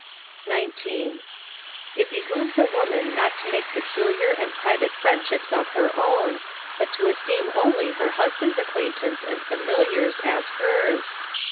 19. It behooves a woman not to make peculiar and pri vate friendships of her own, but to esteem only her hus band's acquaintance and familiars as hers.